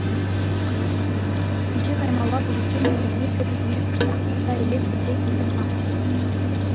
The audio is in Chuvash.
Еҫе каймалла пуличчен кинемей кӗписене кӑштах пӑрса илес тесе килтӗм-ха.